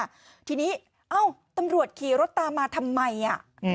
ทีนี้เอ้าตำรวจขี่รถตามมาทำไมอ่ะ